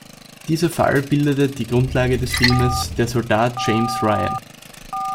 Dieser Fall bildete die Grundlage des Films Der Soldat James Ryan.